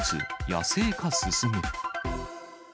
野生化進む。